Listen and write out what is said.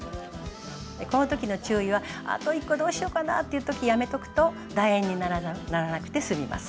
この時の注意はあと１個どうしようかなっていう時やめとくと楕円にならなくて済みます。